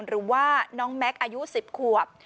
หรือว่าน้องแม็กซ์อายุ๑๐ขวบ